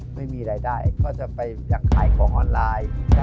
ไม่มีรายได้ก็เลยไปที่อยากขายของออนไลน์